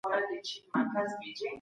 غچ مه اخله.